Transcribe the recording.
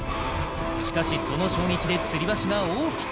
しかしその衝撃でつり橋が大きく